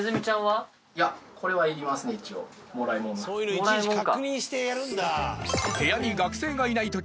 もらいもんか。